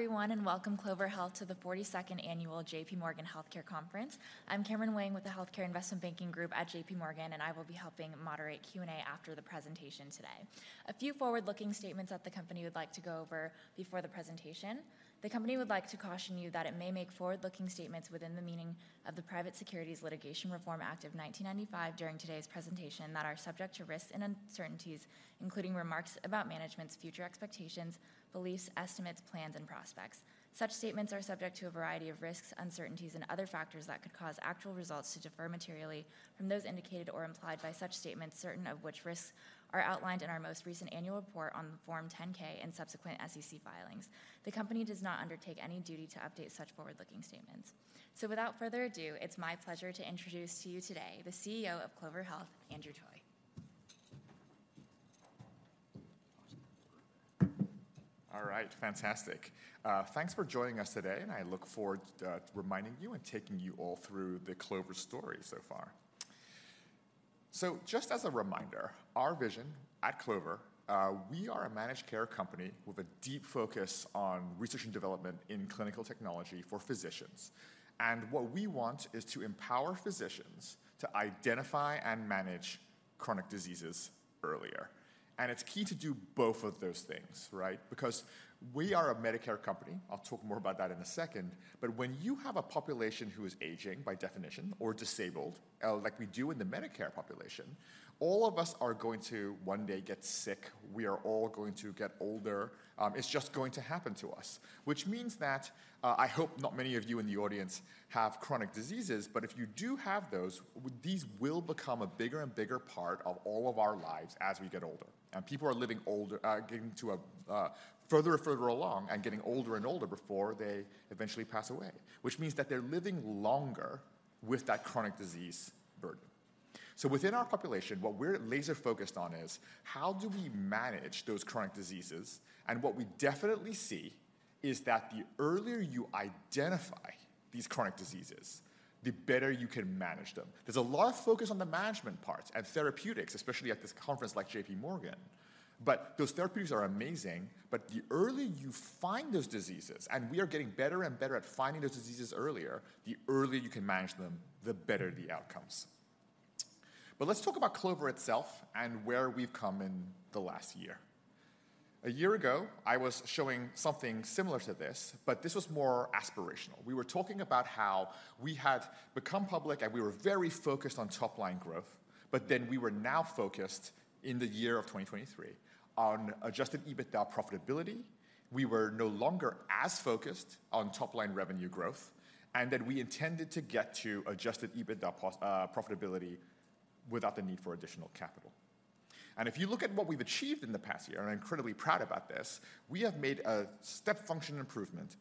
Hello everyone, and welcome Clover Health to the 42nd annual JPMorgan Healthcare Conference. I'm Cameron Wang with the Healthcare Investment Banking Group at JPMorgan, and I will be helping moderate Q&A after the presentation today. A few forward-looking statements that the company would like to go over before the presentation. The company would like to caution you that it may make forward-looking statements within the meaning of the Private Securities Litigation Reform Act of 1995 during today's presentation that are subject to risks and uncertainties, including remarks about management's future expectations, beliefs, estimates, plans, and prospects. Such statements are subject to a variety of risks, uncertainties, and other factors that could cause actual results to differ materially from those indicated or implied by such statements, certain of which risks are outlined in our most recent annual report on Form 10-K and subsequent SEC filings. The company does not undertake any duty to update such forward-looking statements. So without further ado, it's my pleasure to introduce to you today the CEO of Clover Health, Andrew Toy. All right, fantastic. Thanks for joining us today, and I look forward to reminding you and taking you all through the Clover story so far. So just as a reminder, our vision at Clover, we are a managed care company with a deep focus on research and development in clinical technology for physicians. And what we want is to empower physicians to identify and manage chronic diseases earlier. And it's key to do both of those things, right? Because we are a Medicare company, I'll talk more about that in a second, but when you have a population who is aging by definition or disabled, like we do in the Medicare population, all of us are going to one day get sick. We are all going to get older. It's just going to happen to us, which means that I hope not many of you in the audience have chronic diseases, but if you do have those, these will become a bigger and bigger part of all of our lives as we get older. And people are living older, further and further along and getting older and older before they eventually pass away, which means that they're living longer with that chronic disease burden. So within our population, what we're laser focused on is: how do we manage those chronic diseases? And what we definitely see is that the earlier you identify these chronic diseases, the better you can manage them. There's a lot of focus on the management parts and therapeutics, especially at this conference, like J.P. Morgan. But those therapeutics are amazing, but the earlier you find those diseases, and we are getting better and better at finding those diseases earlier, the earlier you can manage them, the better the outcomes. But let's talk about Clover itself and where we've come in the last year. A year ago, I was showing something similar to this, but this was more aspirational. We were talking about how we had become public, and we were very focused on top-line growth, but then we were now focused, in the year of 2023, on Adjusted EBITDA profitability. We were no longer as focused on top-line revenue growth, and that we intended to get to Adjusted EBITDA profitability without the need for additional capital. And if you look at what we've achieved in the past year, and I'm incredibly proud about this, we have made a step function improvement,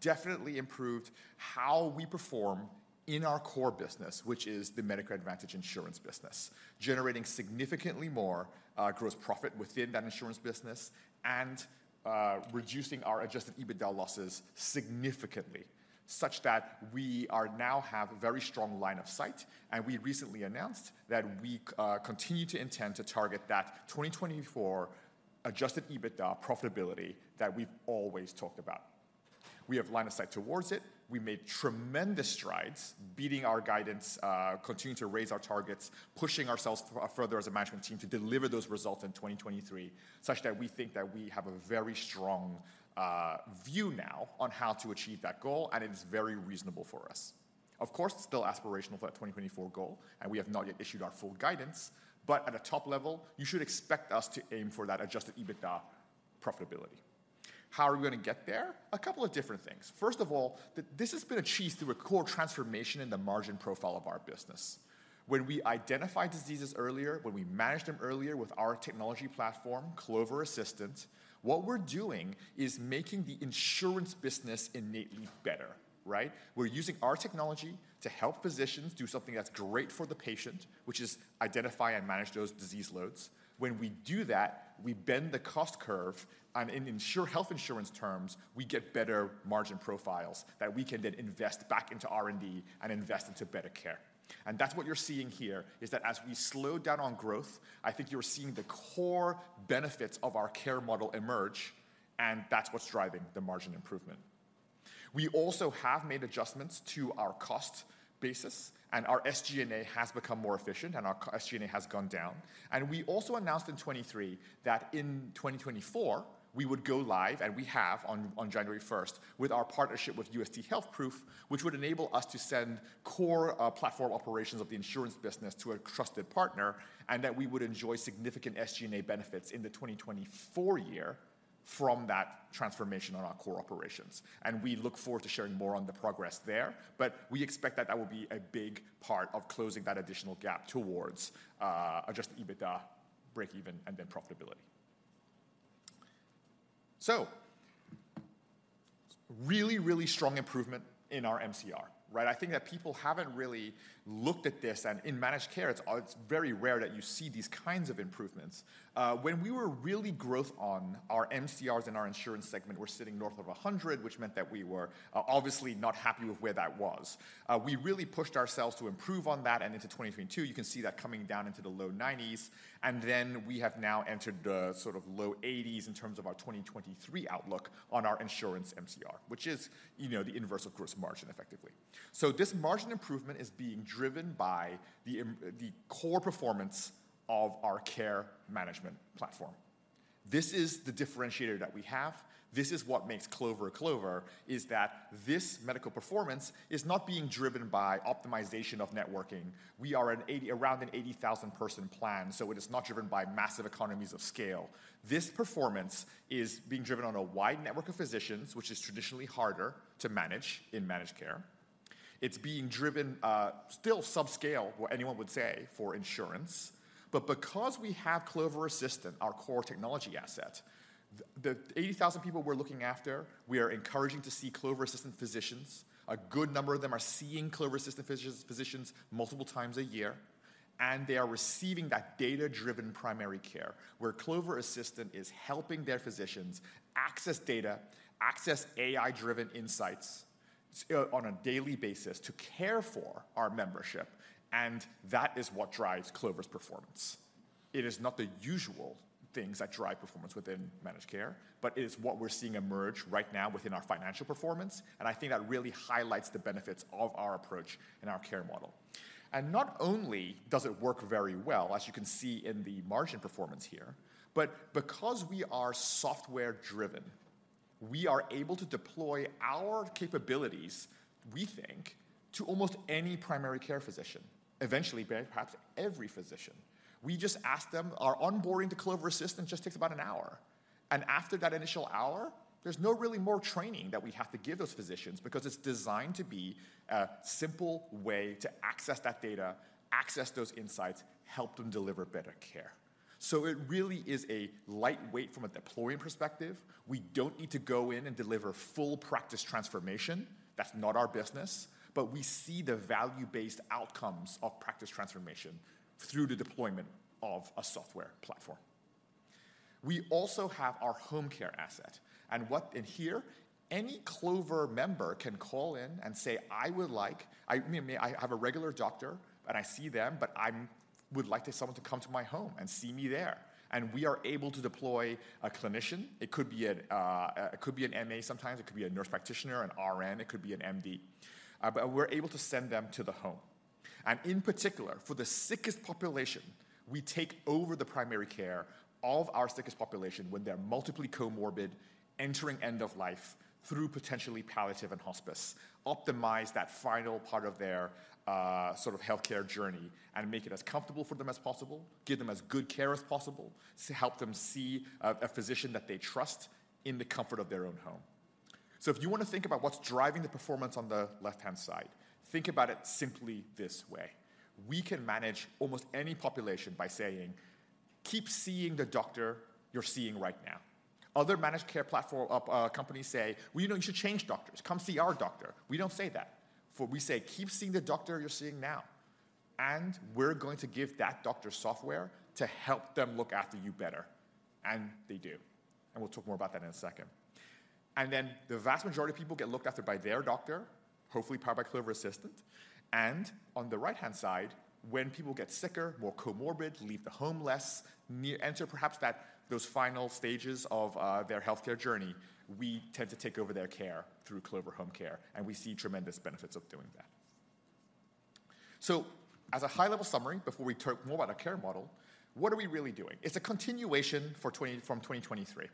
definitely improved how we perform in our core business, which is the Medicare Advantage insurance business, generating significantly more, gross profit within that insurance business and, reducing our Adjusted EBITDA losses significantly, such that we are now have a very strong line of sight, and we recently announced that we, continue to intend to target that 2024 Adjusted EBITDA profitability that we've always talked about. We have line of sight towards it. We made tremendous strides, beating our guidance, continuing to raise our targets, pushing ourselves further as a management team to deliver those results in 2023, such that we think that we have a very strong view now on how to achieve that goal, and it is very reasonable for us. Of course, it's still aspirational for that 2024 goal, and we have not yet issued our full guidance, but at a top level, you should expect us to aim for that adjusted EBITDA profitability. How are we gonna get there? A couple of different things. First of all, this has been achieved through a core transformation in the margin profile of our business. When we identify diseases earlier, when we manage them earlier with our technology platform, Clover Assistant, what we're doing is making the insurance business innately better, right? We're using our technology to help physicians do something that's great for the patient, which is identify and manage those disease loads. When we do that, we bend the cost curve and in insurance terms, we get better margin profiles that we can then invest back into R&D and invest into better care. And that's what you're seeing here, is that as we slow down on growth, I think you're seeing the core benefits of our care model emerge, and that's what's driving the margin improvement. We also have made adjustments to our cost basis, and our SG&A has become more efficient, and our SG&A has gone down. And we also announced in 2023 that in 2024, we would go live, and we have on, on January first, with our partnership with UST HealthProof, which would enable us to send core platform operations of the insurance business to a trusted partner, and that we would enjoy significant SG&A benefits in the 2024 year from that transformation on our core operations. And we look forward to sharing more on the progress there, but we expect that that will be a big part of closing that additional gap towards adjusted EBITDA, breakeven, and then profitability. So really, really strong improvement in our MCR, right? I think that people haven't really looked at this, and in managed care, it's very rare that you see these kinds of improvements. When we were really growth on our MCRs and our insurance segment, we're sitting north of 100, which meant that we were obviously not happy with where that was. We really pushed ourselves to improve on that and into 2022, you can see that coming down into the low 90s, and then we have now entered the sort of low 80s in terms of our 2023 outlook on our insurance MCR, which is, you know, the inverse of gross margin effectively. So this margin improvement is being driven by the core performance of our care management platform. This is the differentiator that we have. This is what makes Clover, Clover, is that this medical performance is not being driven by optimization of networking. We are around an 80,000 person plan, so it is not driven by massive economies of scale. This performance is being driven on a wide network of physicians, which is traditionally harder to manage in managed care. It's being driven, still subscale, what anyone would say for insurance. But because we have Clover Assistant, our core technology asset, the 80,000 people we're looking after, we are encouraging to see Clover Assistant physicians. A good number of them are seeing Clover Assistant physicians multiple times a year, and they are receiving that data-driven primary care, where Clover Assistant is helping their physicians access data, access AI-driven insights, on a daily basis to care for our membership, and that is what drives Clover's performance. It is not the usual things that drive performance within managed care, but it is what we're seeing emerge right now within our financial performance, and I think that really highlights the benefits of our approach and our care model. And not only does it work very well, as you can see in the margin performance here, but because we are software-driven, we are able to deploy our capabilities, we think, to almost any primary care physician, eventually, perhaps every physician. We just ask them. Our onboarding to Clover Assistant just takes about an hour, and after that initial hour, there's no really more training that we have to give those physicians because it's designed to be a simple way to access that data, access those insights, help them deliver better care. So it really is a lightweight from a deployment perspective. We don't need to go in and deliver full practice transformation. That's not our business, but we see the value-based outcomes of practice transformation through the deployment of a software platform. We also have our home care asset, and what in here, any Clover member can call in and say, "I would like—I have a regular doctor, and I see them, but I would like someone to come to my home and see me there." And we are able to deploy a clinician. It could be an MA sometimes, it could be a nurse practitioner, an RN, it could be an MD, but we're able to send them to the home. And in particular, for the sickest population, we take over the primary care of our sickest population when they're multiply comorbid, entering end of life through potentially palliative and hospice, optimize that final part of their sort of healthcare journey, and make it as comfortable for them as possible, give them as good care as possible, to help them see a physician that they trust in the comfort of their own home. So if you want to think about what's driving the performance on the left-hand side, think about it simply this way: We can manage almost any population by saying, "Keep seeing the doctor you're seeing right now." Other managed care platform companies say, "Well, you know, you should change doctors. Come see our doctor." We don't say that, for we say, "Keep seeing the doctor you're seeing now, and we're going to give that doctor software to help them look after you better." And they do, and we'll talk more about that in a second. And then the vast majority of people get looked after by their doctor, hopefully powered by Clover Assistant. And on the right-hand side, when people get sicker, more comorbid, leave the home less, near enter perhaps that those final stages of their healthcare journey, we tend to take over their care through Clover Home Care, and we see tremendous benefits of doing that. So as a high-level summary, before we talk more about our care model, what are we really doing? It's a continuation from 2023.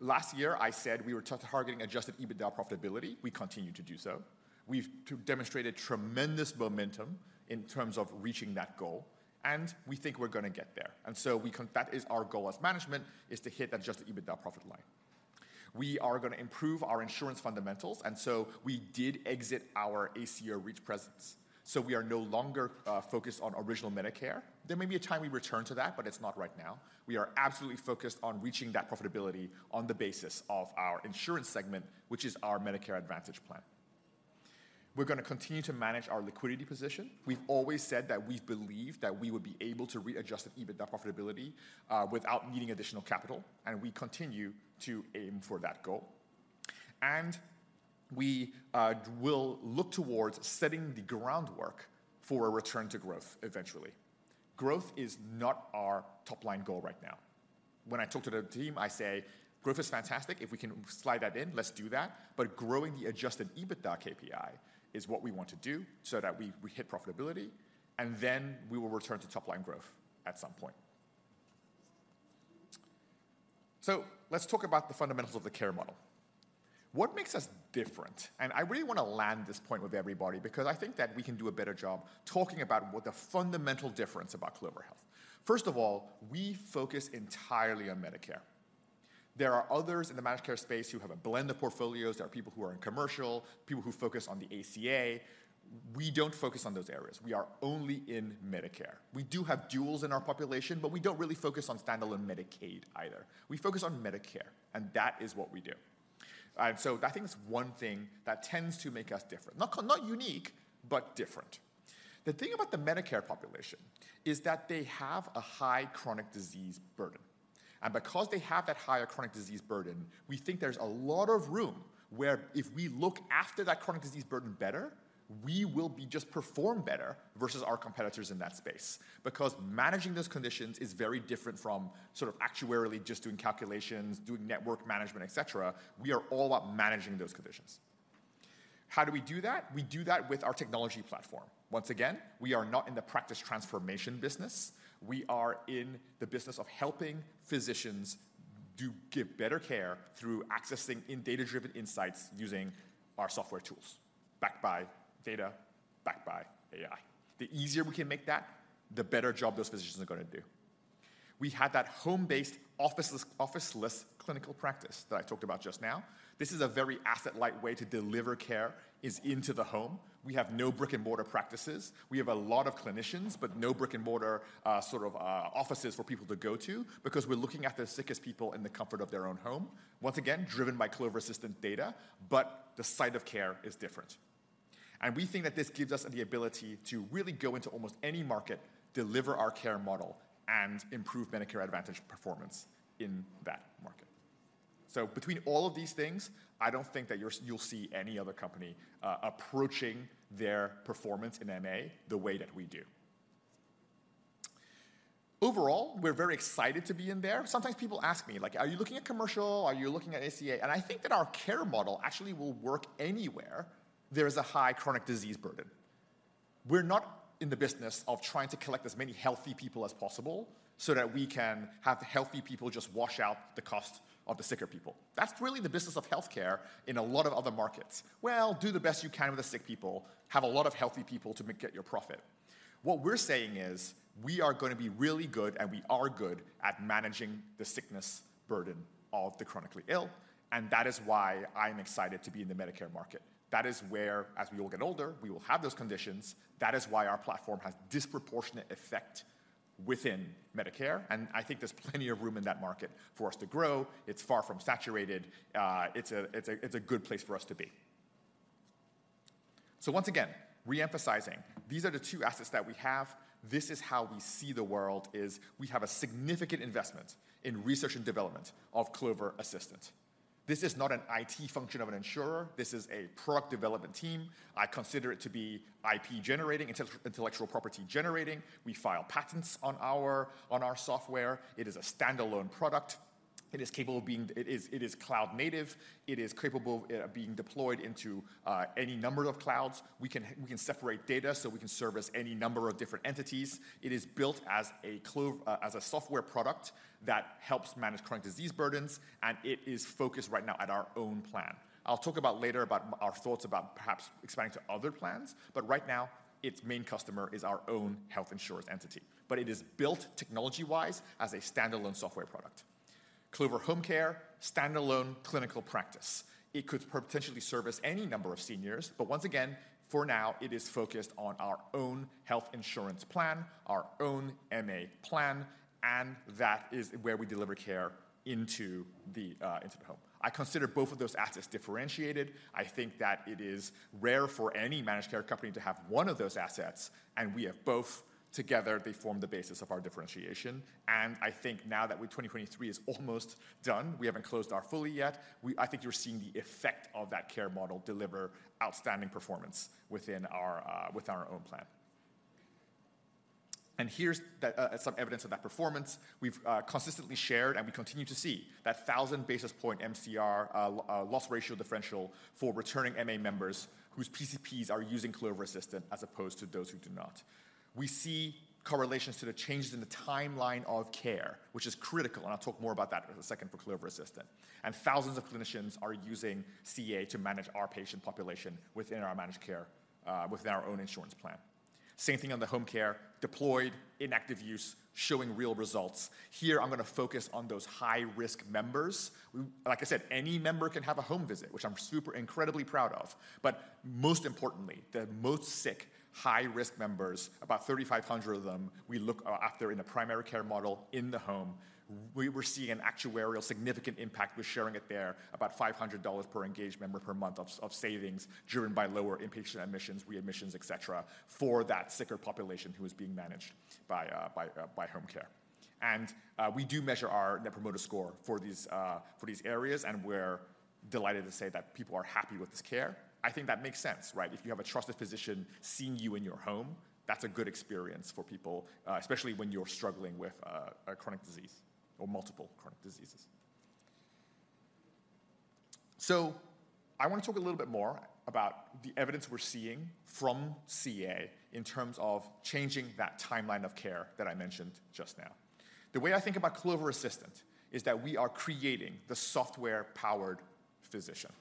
Last year, I said we were targeting Adjusted EBITDA profitability. We continue to do so. We've demonstrated tremendous momentum in terms of reaching that goal, and we think we're gonna get there, and so that is our goal as management, is to hit that Adjusted EBITDA profit line. We are gonna improve our insurance fundamentals, and so we did exit our ACO REACH presence, so we are no longer focused on Original Medicare. There may be a time we return to that, but it's not right now. We are absolutely focused on reaching that profitability on the basis of our insurance segment, which is our Medicare Advantage plan. We're gonna continue to manage our liquidity position. We've always said that we believe that we would be able to reach Adjusted EBITDA profitability without needing additional capital, and we continue to aim for that goal. We will look towards setting the groundwork for a return to growth eventually. Growth is not our top-line goal right now. When I talk to the team, I say, "Growth is fantastic. If we can slide that in, let's do that." But growing the Adjusted EBITDA KPI is what we want to do so that we hit profitability, and then we will return to top-line growth at some point. Let's talk about the fundamentals of the care model. What makes us different? I really want to land this point with everybody because I think that we can do a better job talking about what the fundamental difference about Clover Health. First of all, we focus entirely on Medicare. There are others in the managed care space who have a blend of portfolios. There are people who are in commercial, people who focus on the ACA. We don't focus on those areas. We are only in Medicare. We do have duals in our population, but we don't really focus on standalone Medicaid either. We focus on Medicare, and that is what we do.. And so I think it's one thing that tends to make us different. Not, not unique, but different. The thing about the Medicare population is that they have a high chronic disease burden, and because they have that higher chronic disease burden, we think there's a lot of room where if we look after that chronic disease burden better, we will just perform better versus our competitors in that space. Because managing those conditions is very different from sort of actuarially just doing calculations, doing network management, et cetera. We are all about managing those conditions. How do we do that? We do that with our technology platform. Once again, we are not in the practice transformation business. We are in the business of helping physicians do give better care through accessing in data-driven insights using our software tools, backed by data, backed by AI. The easier we can make that, the better job those physicians are gonna do. We had that home-based, officeless, officeless clinical practice that I talked about just now. This is a very asset-light way to deliver care is into the home. We have no brick-and-mortar practices. We have a lot of clinicians, but no brick-and-mortar, sort of, offices for people to go to because we're looking at the sickest people in the comfort of their own home. Once again, driven by Clover Assistant data, but the site of care is different. We think that this gives us the ability to really go into almost any market, deliver our care model, and improve Medicare Advantage performance in that market. So between all of these things, I don't think that you'll see any other company approaching their performance in MA the way that we do. Overall, we're very excited to be in there. Sometimes people ask me, like, "Are you looking at commercial? Are you looking at ACA?" And I think that our care model actually will work anywhere there is a high chronic disease burden. We're not in the business of trying to collect as many healthy people as possible so that we can have the healthy people just wash out the cost of the sicker people. That's really the business of healthcare in a lot of other markets. Well, do the best you can with the sick people, have a lot of healthy people to make get your profit." What we're saying is, we are gonna be really good, and we are good at managing the sickness burden of the chronically ill, and that is why I'm excited to be in the Medicare market. That is where, as we all get older, we will have those conditions. That is why our platform has disproportionate effect within Medicare, and I think there's plenty of room in that market for us to grow. It's far from saturated. It's a good place for us to be. So once again, re-emphasizing, these are the two assets that we have. This is how we see the world, is we have a significant investment in research and development of Clover Assistant. This is not an IT function of an insurer; this is a product development team. I consider it to be IP generating, intellectual property generating. We file patents on our, on our software. It is a standalone product. It is capable of being. It is cloud native. It is capable of being deployed into any number of clouds. We can separate data, so we can service any number of different entities. It is built as a Clover software product that helps manage chronic disease burdens, and it is focused right now at our own plan. I'll talk about later about our thoughts about perhaps expanding to other plans, but right now, its main customer is our own health insurance entity. But it is built technology-wise as a standalone software product. Clover Home Care, standalone clinical practice. It could potentially service any number of seniors, but once again, for now, it is focused on our own health insurance plan, our own MA plan, and that is where we deliver care into the home. I consider both of those assets differentiated. I think that it is rare for any managed care company to have one of those assets, and we have both. Together, they form the basis of our differentiation, and I think now that with 2023 is almost done, we haven't closed our books fully yet, I think you're seeing the effect of that care model deliver outstanding performance within our own plan. And here's some evidence of that performance. We've consistently shared, and we continue to see that 1,000 basis point MCR loss ratio differential for returning MA members whose PCPs are using Clover Assistant as opposed to those who do not. We see correlations to the changes in the timeline of care, which is critical, and I'll talk more about that in a second for Clover Assistant. Thousands of clinicians are using CA to manage our patient population within our managed care, within our own insurance plan. Same thing on the home care, deployed, in active use, showing real results. Here, I'm gonna focus on those high-risk members. Like I said, any member can have a home visit, which I'm super incredibly proud of. But most importantly, the most sick, high-risk members, about 3,500 of them, we look after in a primary care model in the home. We're seeing an actuarially significant impact. We're sharing it there, about $500 per engaged member per month of savings, driven by lower inpatient admissions, readmissions, et cetera, for that sicker population who is being managed by home care. We do measure our Net Promoter Score for these areas, and we're delighted to say that people are happy with this care. I think that makes sense, right? If you have a trusted physician seeing you in your home, that's a good experience for people, especially when you're struggling with a chronic disease or multiple chronic diseases. So I want to talk a little bit more about the evidence we're seeing from CA in terms of changing that timeline of care that I mentioned just now. The way I think about Clover Assistant is that we are creating the software-powered physician.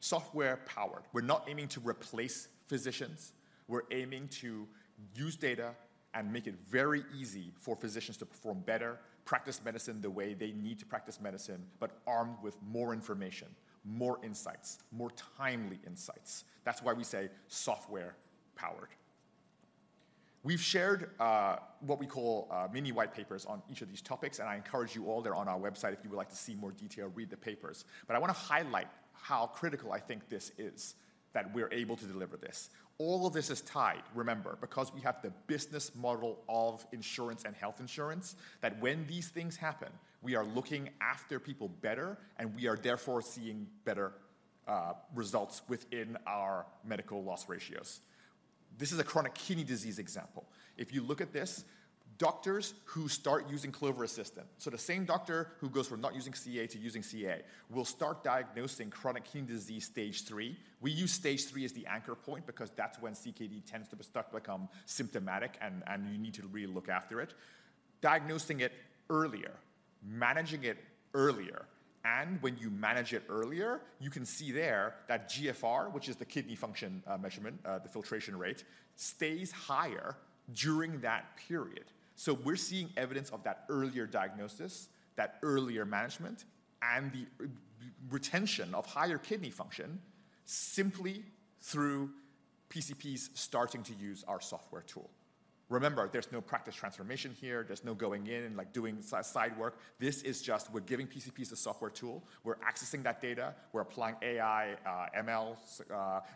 Software-powered. We're not aiming to replace physicians. We're aiming to use data and make it very easy for physicians to perform better, practice medicine the way they need to practice medicine, but armed with more information, more insights, more timely insights. That's why we say software-powered.. We've shared what we call mini white papers on each of these topics, and I encourage you all, they're on our website if you would like to see more detail, read the papers. But I wanna highlight how critical I think this is that we're able to deliver this. All of this is tied, remember, because we have the business model of insurance and health insurance, that when these things happen, we are looking after people better, and we are therefore seeing better results within our medical loss ratios. This is a chronic kidney disease example. If you look at this, doctors who start using Clover Assistant, so the same doctor who goes from not using CA to using CA, will start diagnosing chronic kidney disease stage III. We use stage III as the anchor point because that's when CKD tends to be start to become symptomatic and, and you need to really look after it. Diagnosing it earlier, managing it earlier, and when you manage it earlier, you can see there that GFR, which is the kidney function, measurement, the filtration rate, stays higher during that period. So we're seeing evidence of that earlier diagnosis, that earlier management, and the retention of higher kidney function simply through PCPs starting to use our software tool. Remember, there's no practice transformation here. There's no going in and, like, doing side work. This is just we're giving PCPs a software tool. We're accessing that data. We're applying AI, MLs,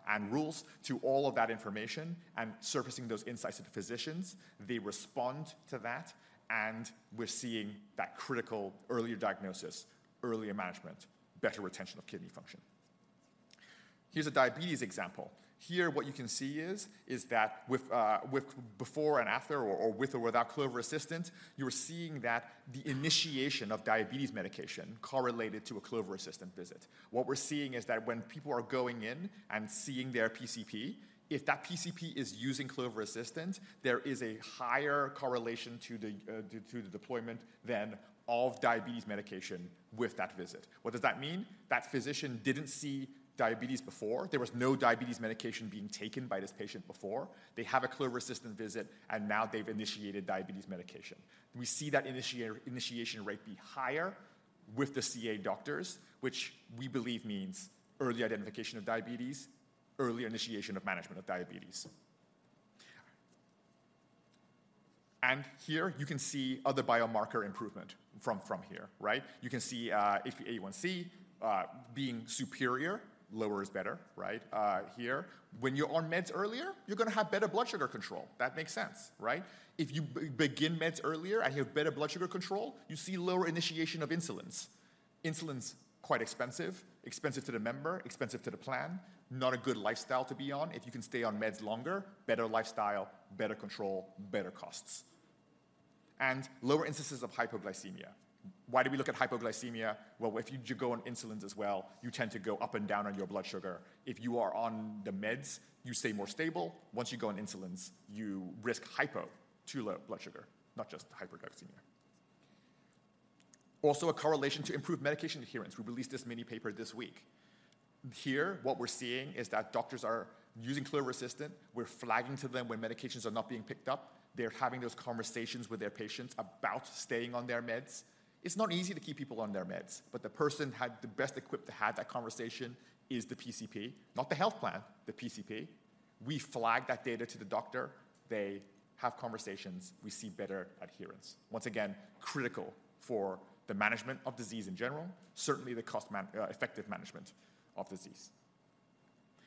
and rules to all of that information and surfacing those insights to the physicians. They respond to that, and we're seeing that critical earlier diagnosis, earlier management, better retention of kidney function. Here's a diabetes example. Here, what you can see is that with before and after or with or without Clover Assistant, you're seeing that the initiation of diabetes medication correlated to a Clover Assistant visit. What we're seeing is that when people are going in and seeing their PCP, if that PCP is using Clover Assistant, there is a higher correlation to the deployment of diabetes medication with that visit. What does that mean? That physician didn't see diabetes before. There was no diabetes medication being taken by this patient before. They have a Clover Assistant visit, and now they've initiated diabetes medication. We see that initiation rate be higher with the CA doctors, which we believe means early identification of diabetes, early initiation of management of diabetes. And here you can see other biomarker improvement from here, right? You can see A1c being superior, lower is better, right? Here, when you're on meds earlier, you're gonna have better blood sugar control. That makes sense, right? If you begin meds earlier and you have better blood sugar control, you see lower initiation of insulins. Insulin's quite expensive, expensive to the member, expensive to the plan, not a good lifestyle to be on. If you can stay on meds longer, better lifestyle, better control, better costs, and lower instances of hypoglycemia. Why do we look at hypoglycemia? Well, if you go on insulins as well, you tend to go up and down on your blood sugar. If you are on the meds, you stay more stable. Once you go on insulins, you risk hypo, too low blood sugar, not just hyperglycemia. Also, a correlation to improved medication adherence. We released this mini paper this week. Here, what we're seeing is that doctors are using Clover Assistant. We're flagging to them when medications are not being picked up. They're having those conversations with their patients about staying on their meds. It's not easy to keep people on their meds, but the person had the best equipped to have that conversation is the PCP, not the health plan, the PCP. We flag that data to the doctor. They have conversations. We see better adherence. Once again, critical for the management of disease in general, certainly the cost-effective management of disease.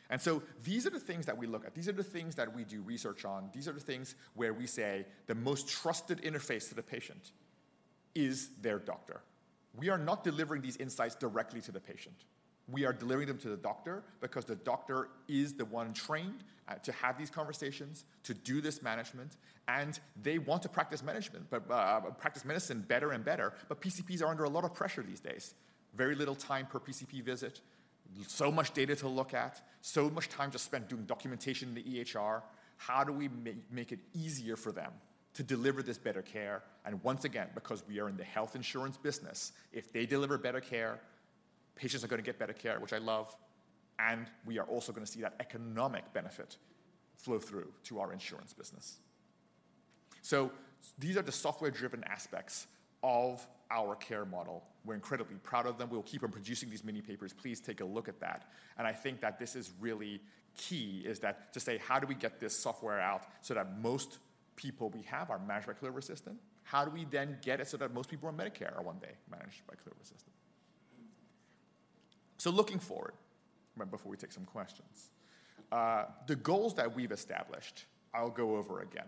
And so these are the things that we look at. These are the things that we do research on. These are the things where we say the most trusted interface to the patient is their doctor. We are not delivering these insights directly to the patient. We are delivering them to the doctor because the doctor is the one trained to have these conversations, to do this management, and they want to practice management, but practice medicine better and better, but PCPs are under a lot of pressure these days. Very little time per PCP visit, so much data to look at, so much time just spent doing documentation in the EHR. How do we make it easier for them to deliver this better care? And once again, because we are in the health insurance business, if they deliver better care, patients are gonna get better care, which I love, and we are also gonna see that economic benefit flow through to our insurance business. So these are the software-driven aspects of our care model. We're incredibly proud of them. We'll keep on producing these mini papers. Please take a look at that. And I think that this is really key, is that to say: How do we get this software out so that most people we have are managed by Clover Assistant? How do we then get it so that most people on Medicare are one day managed by Clover Assistant? So looking forward, right before we take some questions, the goals that we've established, I'll go over again.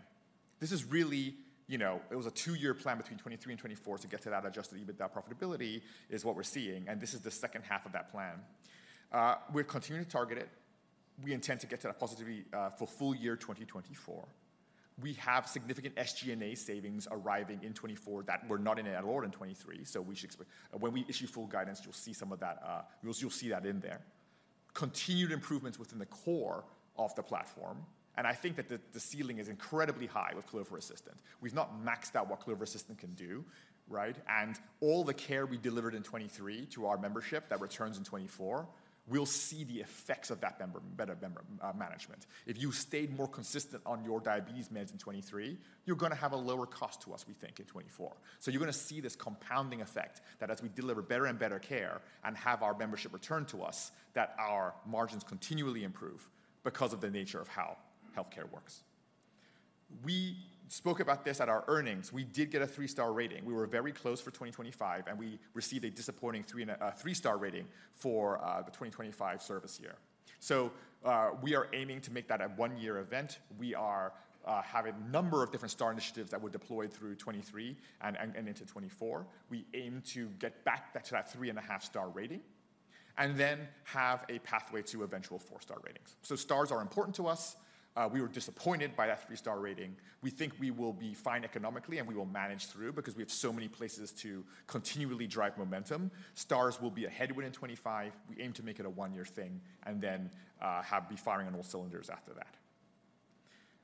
This is really, you know, it was a 2-year plan between 2023 and 2024 to get to that Adjusted EBITDA profitability is what we're seeing, and this is the second half of that plan. We're continuing to target it. We intend to get to that positively, for full year 2024. We have significant SG&A savings arriving in 2024 that were not in at all in 2023, so we should expect. When we issue full guidance, you'll see some of that. You'll see that in there. Continued improvements within the core of the platform, and I think that the ceiling is incredibly high with Clover Assistant. We've not maxed out what Clover Assistant can do, right? And all the care we delivered in 2023 to our membership, that returns in 2024, we'll see the effects of that member-better member management. If you stayed more consistent on your diabetes meds in 2023, you're gonna have a lower cost to us, we think, in 2024. So you're gonna see this compounding effect, that as we deliver better and better care and have our membership return to us, that our margins continually improve because of the nature of how healthcare works. We spoke about this at our earnings. We did get a 3-Star rating. We were very close for 2025, and we received a disappointing 3-Star rating for the 2025 service year. So we are aiming to make that a 1-year event. We have a number of different Star initiatives that were deployed through 2023 and into 2024. We aim to get back to that 3.5-Star rating, and then have a pathway to eventual 4-Star ratings. So Stars are important to us. We were disappointed by that 3-Star rating. We think we will be fine economically, and we will manage through because we have so many places to continually drive momentum. Stars will be a headwind in 2025. We aim to make it a one-year thing, and then, be firing on all cylinders after that.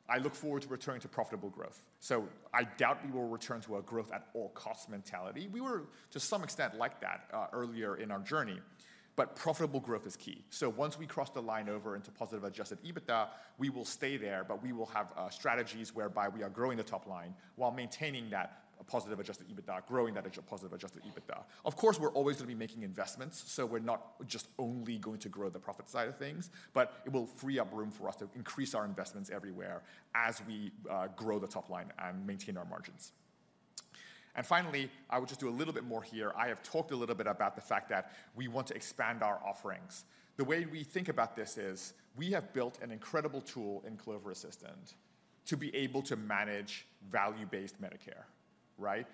I look forward to returning to profitable growth. So I doubt we will return to a growth-at-all-costs mentality. We were, to some extent, like that earlier in our journey, but profitable growth is key. So once we cross the line over into positive Adjusted EBITDA, we will stay there, but we will have strategies whereby we are growing the top line while maintaining that positive Adjusted EBITDA, growing that positive Adjusted EBITDA. Of course, we're always going to be making investments, so we're not just only going to grow the profit side of things, but it will free up room for us to increase our investments everywhere as we grow the top line and maintain our margins. And finally, I will just do a little bit more here. I have talked a little bit about the fact that we want to expand our offerings. The way we think about this is, we have built an incredible tool in Clover Assistant to be able to manage value-based Medicare, right?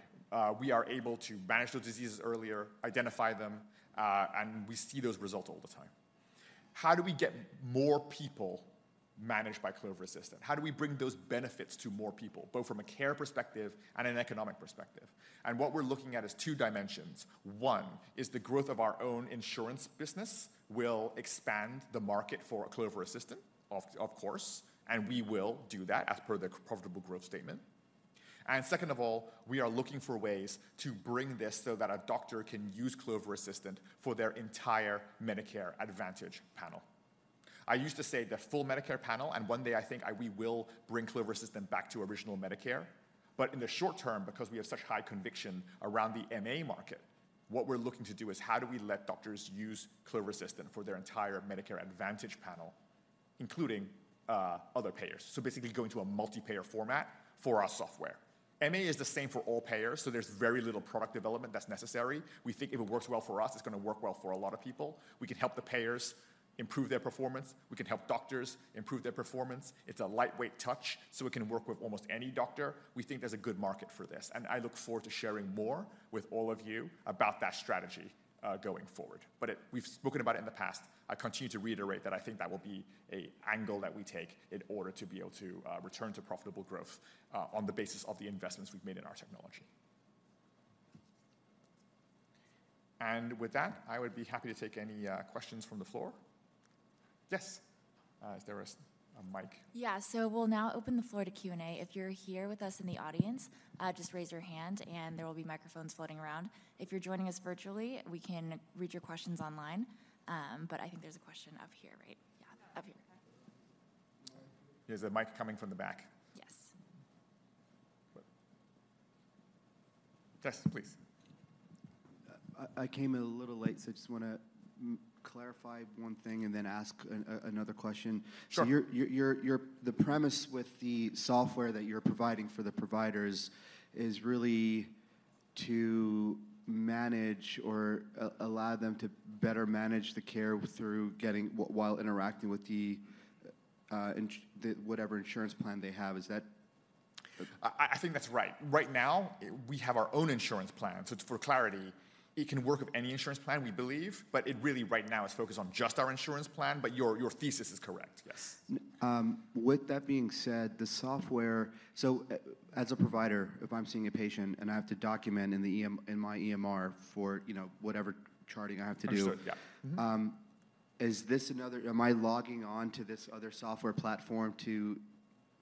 We are able to manage those diseases earlier, identify them, and we see those results all the time. How do we get more people managed by Clover Assistant? How do we bring those benefits to more people, both from a care perspective and an economic perspective? And what we're looking at is two dimensions. One is the growth of our own insurance business will expand the market for Clover Assistant, of course, and we will do that as per the profitable growth statement. And second of all, we are looking for ways to bring this so that a doctor can use Clover Assistant for their entire Medicare Advantage panel. I used to say the full Medicare panel, and one day I think we will bring Clover Assistant back to original Medicare, but in the short term, because we have such high conviction around the MA market, what we're looking to do is how do we let doctors use Clover Assistant for their entire Medicare Advantage panel, including other payers? So basically going to a multi-payer format for our software. MA is the same for all payers, so there's very little product development that's necessary. We think if it works well for us, it's going to work well for a lot of people. We can help the payers improve their performance. We can help doctors improve their performance. It's a lightweight touch, so it can work with almost any doctor. We think there's a good market for this, and I look forward to sharing more with all of you about that strategy, going forward. But we've spoken about it in the past. I continue to reiterate that I think that will be an angle that we take in order to be able to return to profitable growth, on the basis of the investments we've made in our technology. And with that, I would be happy to take any questions from the floor. Yes? Is there a mic? Yeah. So we'll now open the floor to Q&A. If you're here with us in the audience, just raise your hand, and there will be microphones floating around. If you're joining us virtually, we can read your questions online. But I think there's a question up here, right? Yeah, up here. There's a mic coming from the back. Yes. Yes, please. I came in a little late, so I just want to clarify one thing and then ask another question. Sure. So the premise with the software that you're providing for the providers is really to manage or allow them to better manage the care through getting, while interacting with the whatever insurance plan they have. Is that- I think that's right. Right now, we have our own insurance plan, so for clarity, it can work with any insurance plan, we believe, but it really right now is focused on just our insurance plan, but your, your thesis is correct. Yes. With that being said, the software. So as a provider, if I'm seeing a patient, and I have to document in my EMR for, you know, whatever charting I have to do- Understood. Yeah. Mm-hmm. Is this another? Am I logging on to this other software platform to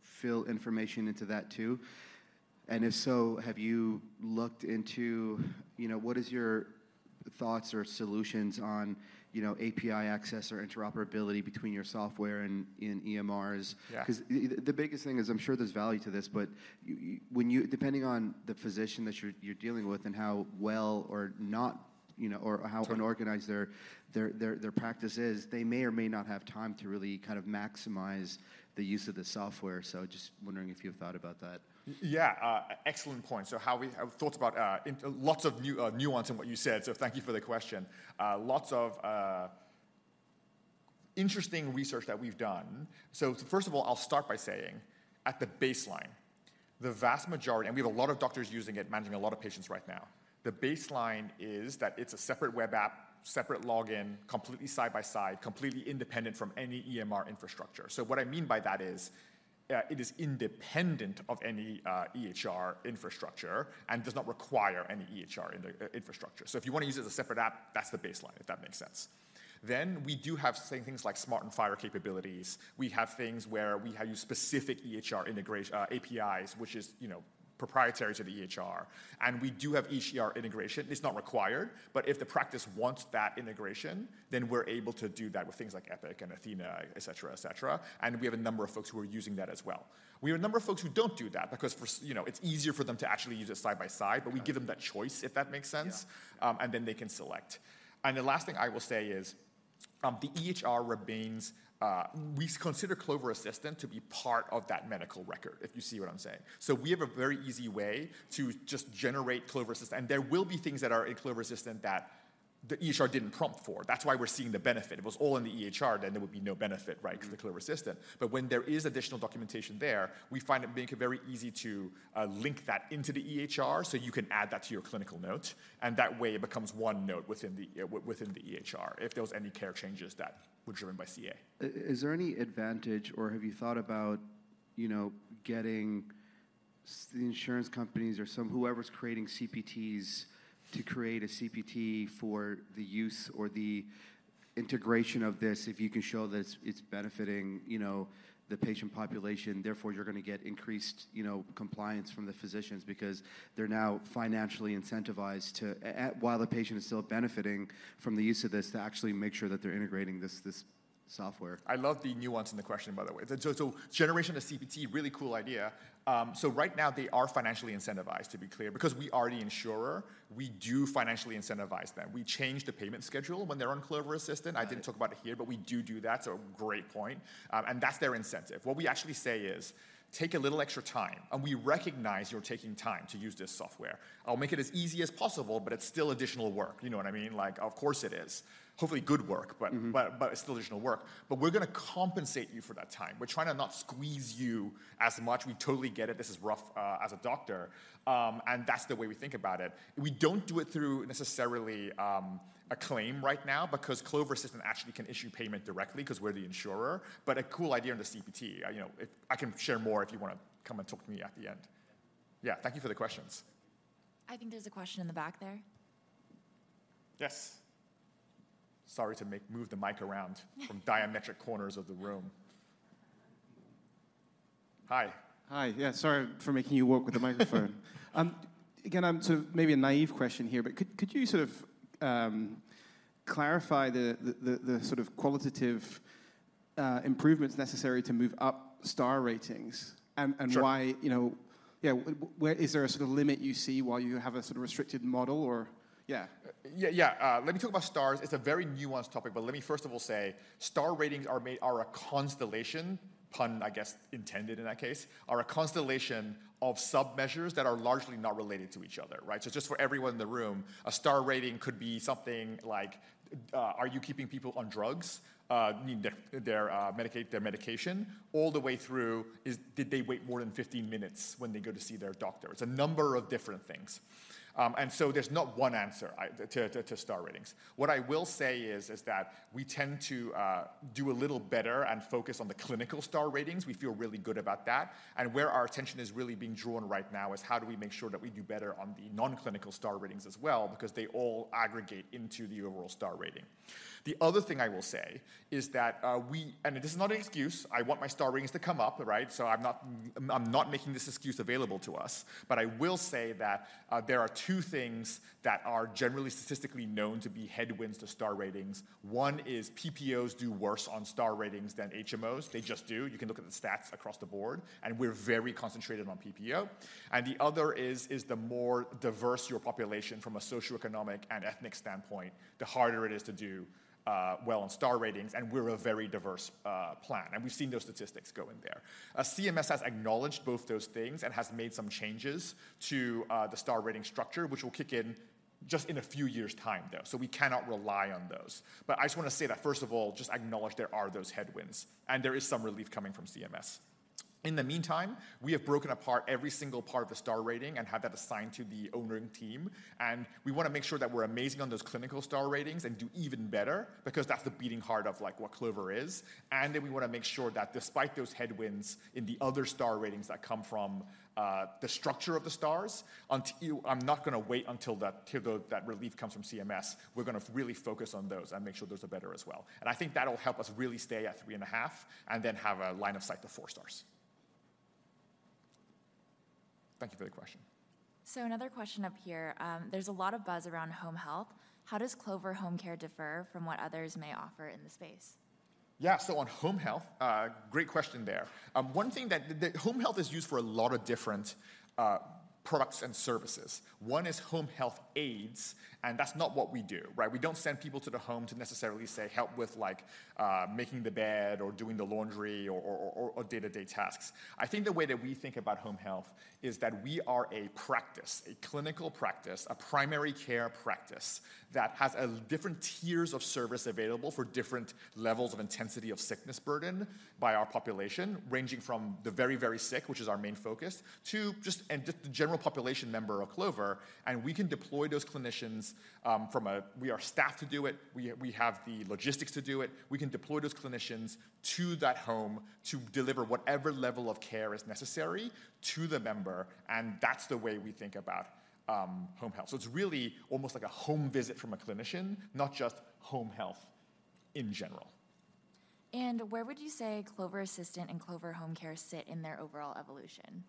fill information into that too? And if so, have you looked into, you know, what is your thoughts or solutions on, you know, API access or interoperability between your software and in EMRs? Yeah. Because the biggest thing is, I'm sure there's value to this, but when you depending on the physician that you're dealing with and how well or not, you know, or- Sure how unorganized their practice is, they may or may not have time to really kind of maximize the use of the software. So just wondering if you have thought about that. Yeah, excellent point. So how we have thought about, lots of nuance in what you said, so thank you for the question. Lots of interesting research that we've done. So first of all, I'll start by saying, at the baseline, the vast majority, and we have a lot of doctors using it, managing a lot of patients right now. The baseline is that it's a separate web app, separate login, completely side by side, completely independent from any EMR infrastructure. So what I mean by that is, it is independent of any EHR infrastructure and does not require any EHR in the infrastructure. So if you want to use it as a separate app, that's the baseline, if that makes sense. Then, we do have same things like SMART on FHIR capabilities. We have things where we have you specific EHR integration, APIs, which is, you know, proprietary to the EHR. And we do have EHR integration. It's not required, but if the practice wants that integration, then we're able to do that with things like Epic and Athena, et cetera, et cetera. And we have a number of folks who are using that as well. We have a number of folks who don't do that because, you know, it's easier for them to actually use it side by side- Right but we give them that choice, if that makes sense. Yeah. And then they can select. And the last thing I will say is, the EHR remains, we consider Clover Assistant to be part of that medical record, if you see what I'm saying. So we have a very easy way to just generate Clover Assistant, and there will be things that are in Clover Assistant that the EHR didn't prompt for. That's why we're seeing the benefit. If it was all in the EHR, then there would be no benefit, right? To the Clover Assistant. But when there is additional documentation there, we find it make it very easy to link that into the EHR, so you can add that to your clinical note, and that way it becomes one note within the within the EHR, if there was any care changes that were driven by CA. Is there any advantage or have you thought about, you know, getting the insurance companies or some, whoever's creating CPTs, to create a CPT for the use or the integration of this? If you can show that it's benefiting, you know, the patient population, therefore, you're gonna get increased, you know, compliance from the physicians because they're now financially incentivized to, while the patient is still benefiting from the use of this, to actually make sure that they're integrating this, this software. I love the nuance in the question, by the way. So, generation of CPT, really cool idea. So right now, they are financially incentivized, to be clear, because we are the insurer, we do financially incentivize them. We change the payment schedule when they're on Clover Assistant. I didn't talk about it here, but we do do that, so great point. And that's their incentive. What we actually say is, "Take a little extra time, and we recognize you're taking time to use this software. I'll make it as easy as possible, but it's still additional work." You know what I mean? Like, of course, it is. Hopefully good work- Mm-hmm.. but it's still additional work. But we're gonna compensate you for that time. We're trying to not squeeze you as much. We totally get it. This is rough as a doctor, and that's the way we think about it. We don't do it through necessarily a claim right now, because Clover Assistant actually can issue payment directly, 'cause we're the insurer. But a cool idea on the CPT. You know, it—I can share more if you wanna come and talk to me at the end. Yeah, thank you for the questions. I think there's a question in the back there. Yes. Sorry to move the mic around from diametric corners of the room. Hi. Hi. Yeah, sorry for making you walk with the microphone. Again, so maybe a naive question here, but could you sort of clarify the sort of qualitative improvements necessary to move up Star Ratings, and Sure why, you know, yeah, where is there a sort of limit you see while you have a sort of restricted model or? Yeah. Yeah, yeah. Let me talk about stars. It's a very nuanced topic, but let me first of all say, Star Ratings are made, are a constellation, pun I guess intended in that case, are a constellation of sub-measures that are largely not related to each other, right? So just for everyone in the room, a Star Rating could be something like, are you keeping people on drugs, I mean, their medication, all the way through, is did they wait more than 15 minutes when they go to see their doctor? It's a number of different things. And so there's not one answer to Star Ratings. What I will say is that we tend to do a little better and focus on the clinical Star Ratings. We feel really good about that, and where our attention is really being drawn right now is how do we make sure that we do better on the non-clinical Star Ratings as well, because they all aggregate into the overall Star Rating. The other thing I will say is that. And this is not an excuse. I want my Star Ratings to come up, right? So I'm not, I'm not making this excuse available to us, but I will say that, there are two things that are generally statistically known to be headwinds to Star Ratings. One is PPOs do worse on Star Ratings than HMOs. They just do. You can look at the stats across the board, and we're very concentrated on PPO. And the other is the more diverse your population from a socioeconomic and ethnic standpoint, the harder it is to do well on Star Ratings, and we're a very diverse plan, and we've seen those statistics go in there. CMS has acknowledged both those things and has made some changes to the Star Ratings structure, which will kick in just in a few years' time, though, so we cannot rely on those. But I just wanna say that, first of all, just acknowledge there are those headwinds, and there is some relief coming from CMS. In the meantime, we have broken apart every single part of the Star Ratings and had that assigned to the owning team, and we wanna make sure that we're amazing on those clinical Star Ratings and do even better because that's the beating heart of, like, what Clover is. Then we wanna make sure that despite those headwinds in the other star ratings that come from the structure of the stars, I'm not gonna wait until that relief comes from CMS. We're gonna really focus on those and make sure those are better as well. And I think that'll help us really stay at 3.5, and then have a line of sight to 4 stars. Thank you for the question. So another question up here. There's a lot of buzz around home health. How does Clover Home Care differ from what others may offer in the space? Yeah, so on home health, great question there. One thing that the home health is used for a lot of different products and services. One is home health aids, and that's not what we do, right? We don't send people to the home to necessarily, say, help with, like, making the bed or doing the laundry or day-to-day tasks. I think the way that we think about home health is that we are a practice, a clinical practice, a primary care practice, that has a different tiers of service available for different levels of intensity of sickness burden by our population, ranging from the very, very sick, which is our main focus, to just. And just the general population member of Clover, and we can deploy those clinicians. We are staffed to do it, we have the logistics to do it. We can deploy those clinicians to that home to deliver whatever level of care is necessary to the member, and that's the way we think about home health. So it's really almost like a home visit from a clinician, not just home health in general. Where would you say Clover Assistant and Clover Home Care sit in their overall evolution?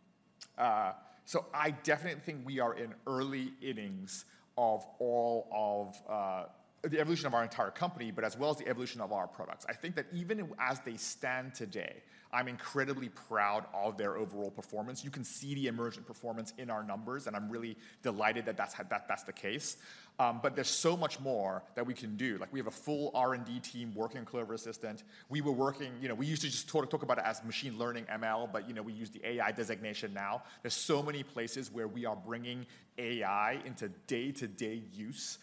so I definitely think we are in early innings of all of the evolution of our entire company, but as well as the evolution of our products. I think that even as they stand today, I'm incredibly proud of their overall performance. You can see the emergent performance in our numbers, and I'm really delighted that that's, that that's the case. But there's so much more that we can do. Like, we have a full R&D team working on Clover Assistant. We were working, you know, we used to just talk about it as machine learning, ML, but, you know, we use the AI designation now. There's so many places where we are bringing AI into day-to-day use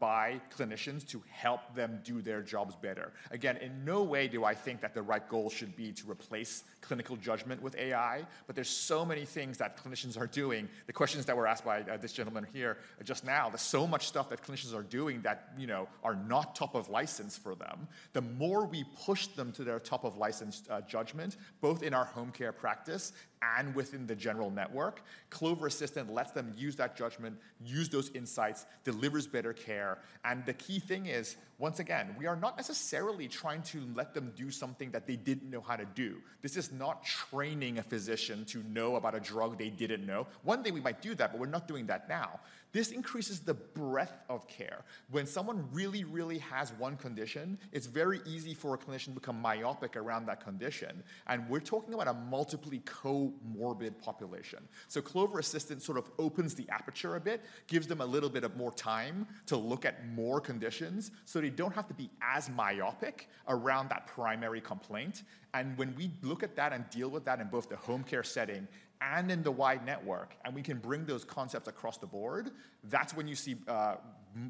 by clinicians to help them do their jobs better. Again, in no way do I think that the right goal should be to replace clinical judgment with AI, but there's so many things that clinicians are doing. The questions that were asked by this gentleman here just now, there's so much stuff that clinicians are doing that, you know, are not top of license for them. The more we push them to their top of license judgment, both in our home care practice and within the general network, Clover Assistant lets them use that judgment, use those insights, delivers better care, and the key thing is, once again, we are not necessarily trying to let them do something that they didn't know how to do. This is not training a physician to know about a drug they didn't know. One day we might do that, but we're not doing that now. This increases the breadth of care. When someone really, really has one condition, it's very easy for a clinician to become myopic around that condition, and we're talking about a multiply comorbid population. So Clover Assistant sort of opens the aperture a bit, gives them a little bit of more time to look at more conditions, so they don't have to be as myopic around that primary complaint, and when we look at that and deal with that in both the home care setting and in the wide network, and we can bring those concepts across the board, that's when you see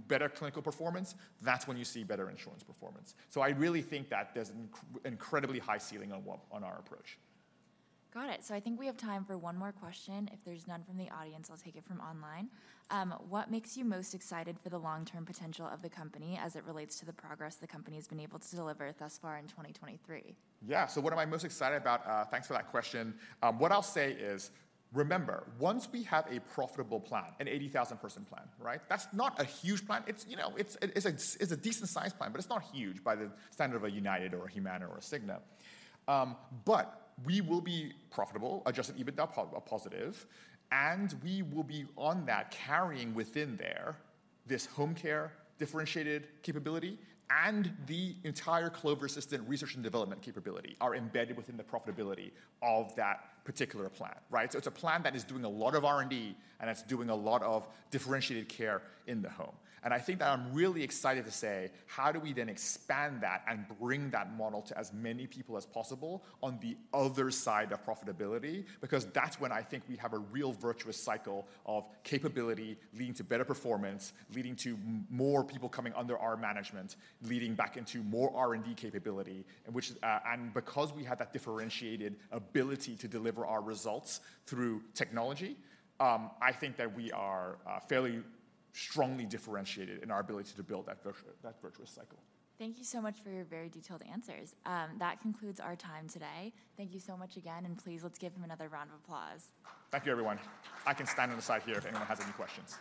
better clinical performance, that's when you see better insurance performance. So I really think that there's an incredibly high ceiling on our approach. Got it. So I think we have time for one more question. If there's none from the audience, I'll take it from online. What makes you most excited for the long-term potential of the company as it relates to the progress the company has been able to deliver thus far in 2023? Yeah. So what am I most excited about? Thanks for that question. What I'll say is, remember, once we have a profitable plan, an 80,000 person plan, right? That's not a huge plan. It's, you know, it's a, it's a decent sized plan, but it's not huge by the standard of a United or a Humana or a Cigna. But we will be profitable, Adjusted EBITDA positive, and we will be on that carrying within there, this home care differentiated capability and the entire Clover Assistant research and development capability are embedded within the profitability of that particular plan, right? So it's a plan that is doing a lot of R&D, and it's doing a lot of differentiated care in the home. And I think that I'm really excited to say, how do we then expand that and bring that model to as many people as possible on the other side of profitability? Because that's when I think we have a real virtuous cycle of capability leading to better performance, leading to more people coming under our management, leading back into more R&D capability, and which And because we have that differentiated ability to deliver our results through technology, I think that we are fairly strongly differentiated in our ability to build that virtuous cycle. Thank you so much for your very detailed answers. That concludes our time today. Thank you so much again, and please, let's give him another round of applause. Thank you, everyone. I can stand on the side here if anyone has any questions.